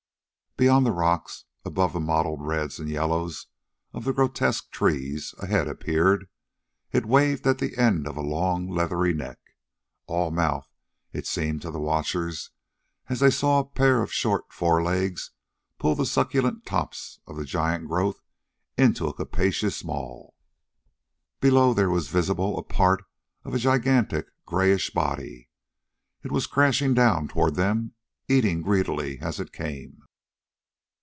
Beyond the rocks, above the mottled reds and yellows of the grotesque trees, a head appeared. It waved at the end of a long, leathery neck. All mouth, it seemed to the watchers, as they saw a pair of short forelegs pull the succulent tops of the giant growth into a capacious maw. Below, there was visible a part of a gigantic, grayish body. It was crashing down toward them, eating greedily as it came.